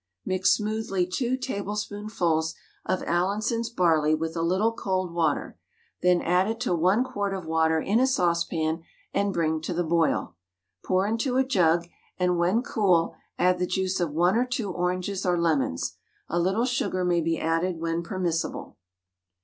Mix smoothly 2 tablespoonfuls of Allinson's barley with a little cold water, then add it to 1 quart of water in a saucepan, and bring to the boil. Pour into a jug, and when cool add the juice of 1 or 2 oranges or lemons. A little sugar may be added when permissible.